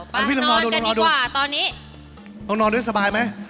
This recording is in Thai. ตอนนี้ต้องกลับนอนด้วยต้องนอนด้วยต้องสบายไหม